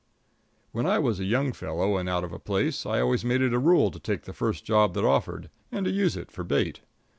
When I was a young fellow and out of a place, I always made it a rule to take the first job that offered, and to use it for bait.